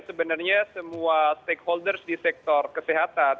sebenarnya semua stakeholders di sektor kesehatan